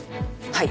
はい。